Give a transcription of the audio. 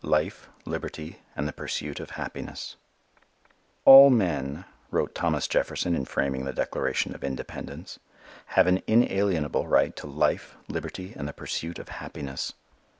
Life, Liberty and the Pursuit of Happiness_ "ALL men," wrote Thomas Jefferson in framing the Declaration of Independence, "have an inalienable right to life, liberty and the pursuit of happiness."